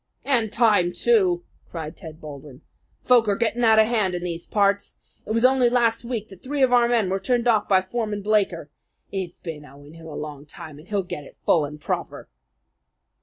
"And time, too!" cried Ted Baldwin. "Folk are gettin' out of hand in these parts. It was only last week that three of our men were turned off by Foreman Blaker. It's been owing him a long time, and he'll get it full and proper."